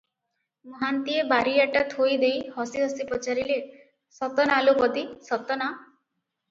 ମହାନ୍ତିଏ ବାଟିଆଟା ଥୋଇ ଦେଇ ହସି ହସି ପଚାରିଲେ, "ସତ ନା ଲୋ ପଦୀ, ସତ ନା?"